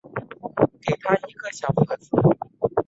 给他一个小盒子